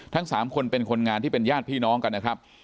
ทั้ง๓คนเป็นคนงานที่เป็นญาติพี่น้องกันนะครับ